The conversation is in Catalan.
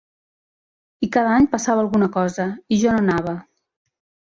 I cada any passava alguna cosa, i jo no anava.